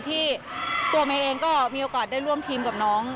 ที่ตัวเมย์เองก็มีโอกาสได้ร่วมทีมกับน้อง